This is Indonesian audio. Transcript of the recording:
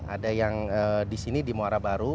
ada yang di sini di muara baru